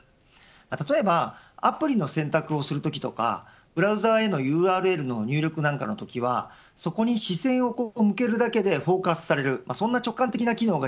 例えば、アプリの選択をするときとかブラウザへのＵＲＬの入力はそこに視線を向けるだけでフォーカスされるそんな直感的な機能が